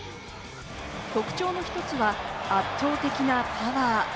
特徴の１つは圧倒的なパワー。